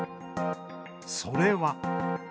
それは。